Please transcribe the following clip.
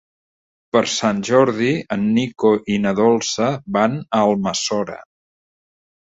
Per Sant Jordi en Nico i na Dolça van a Almassora.